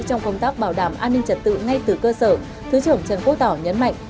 trong công tác bảo đảm an ninh trật tự ngay từ cơ sở thứ trưởng trần quốc tỏ nhấn mạnh